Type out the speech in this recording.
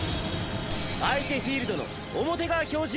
相手フィールドの表側表示